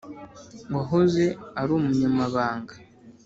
wahoze ari umunyamabanga